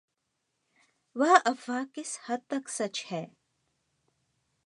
वह अफ़वाह किसी हद तक सच है।